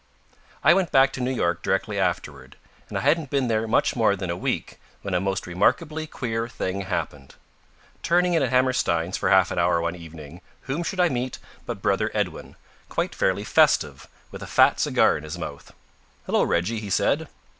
I went back to New York directly afterward, and I hadn't been there much more than a week when a most remarkably queer thing happened. Turning in at Hammerstein's for half an hour one evening, whom should I meet but brother Edwin, quite fairly festive, with a fat cigar in his mouth. "Hello, Reggie," he said.